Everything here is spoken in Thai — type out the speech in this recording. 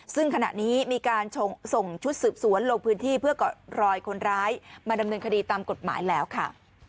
ซึ่งขณะนี้มีการส่งชุดสืบสวนลงพื้นที่เพื่อเกาะรอยคนร้ายมาดำเนินคดีตามกฎหมายแล้วค่ะ